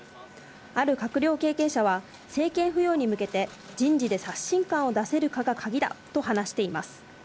ある閣僚経験者は、政権浮揚に向けて、人事で刷新感を出せるかが鍵だと話しています。